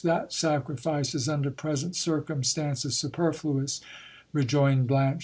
That sacrifice is under present circumstances superfluous, rejoined Blar che.